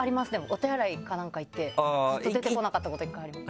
お手洗いかなんか行ってずっと出てこなかったこと１回あります。